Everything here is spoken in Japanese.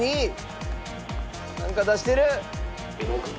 「なんか出してる！」